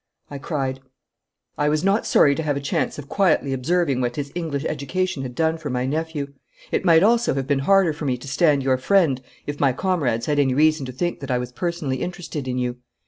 I cried. 'I was not sorry to have a chance of quietly observing what his English education had done for my nephew. It might also have been harder for me to stand your friend if my comrades had any reason to think that I was personally interested in you.